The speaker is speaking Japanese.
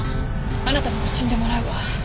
あなたも死んでもらうわ。